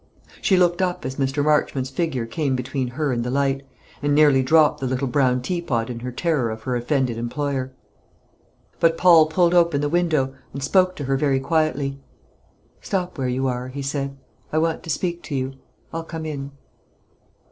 She looked up as Mr. Marchmont's figure came between her and the light, and nearly dropped the little brown teapot in her terror of her offended employer. But Paul pulled open the window, and spoke to her very quietly. "Stop where you are," he said; "I want to speak to you. I'll come in."